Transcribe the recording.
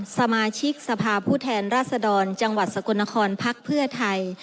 สมาชิกสภาพผู้แทนราชดรจังหวัดสกลนครพักเพื่อไทย